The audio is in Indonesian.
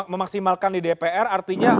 memaksimalkan di dpr artinya